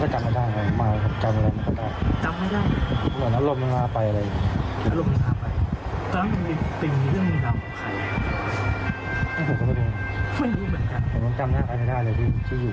ก็มาห้ามให้เราเด็ดยิงปืนหรือยิงปืน